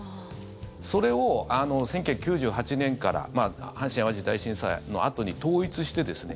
それを１９９８年から阪神・淡路大震災のあとに統一してですね